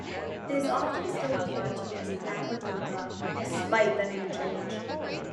It is often still referred to as Machadodorp despite the name change.